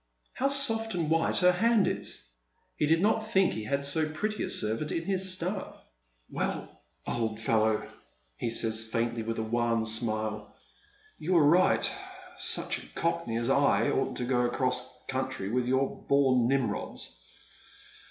How soft and wliite her hand is ! He did not think he had so pretty a servant in his staff. " Well, old fellow," he says faintly, and with a wan smile, " you were right. Such a cockney as I oughtn't to go across country with your bom Nimrods.